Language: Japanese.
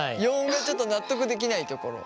４のちょっと納得できないところ。